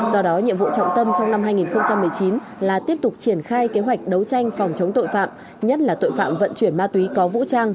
do đó nhiệm vụ trọng tâm trong năm hai nghìn một mươi chín là tiếp tục triển khai kế hoạch đấu tranh phòng chống tội phạm nhất là tội phạm vận chuyển ma túy có vũ trang